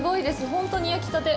本当に焼きたて。